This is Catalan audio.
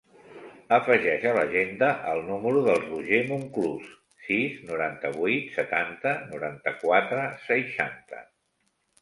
Afegeix a l'agenda el número del Roger Monclus: sis, noranta-vuit, setanta, noranta-quatre, seixanta.